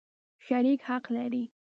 شریک حق لري.